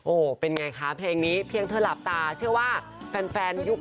โอ้โหเป็นไงคะเพลงนี้เพียงเธอหลับตาเชื่อว่าแฟนยุค